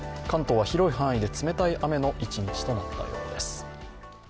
関東は広い範囲で冷たい雨の一日となったようです。